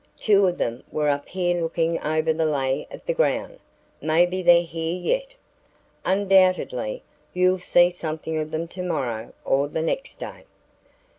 Two of them were up here looking over the lay of the ground; maybe they're here yet. Undoubtedly you'll see something of them tomorrow or the next day."